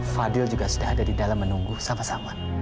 fadil juga sudah ada di dalam menunggu sama sama